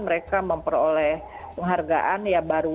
mereka memperoleh penghargaan baru